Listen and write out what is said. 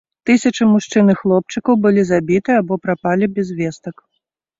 Тысячы мужчын і хлопчыкаў былі забіты або прапалі без вестак.